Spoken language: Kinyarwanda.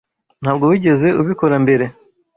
Ntabwo wigeze ubikora mbere.